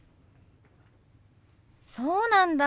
そうなんだ。